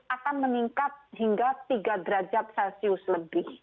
akan meningkat hingga tiga derajat celcius lebih